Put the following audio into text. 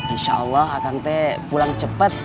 insya allah aku pulang cepat